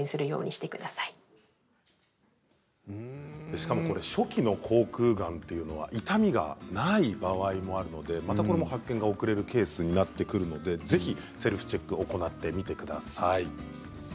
しかも初期の口くうがんというのは痛みがない場合もあるのでまた発見が遅れるケースになってくるのでぜひセルフチェックを行ってみてください。